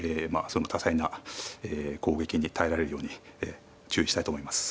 その多彩な攻撃に耐えられるように注意したいと思います。